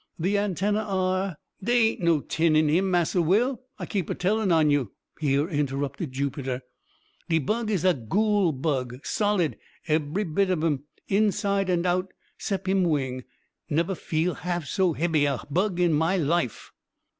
The antennae are " "Dey ain't no tin in him, Massa Will, I keep a tellin' on you," here interrupted Jupiter; "de bug is a goole bug, solid, ebery bit of him, inside and all, sep him wing neber feel half so hebby a bug in my life."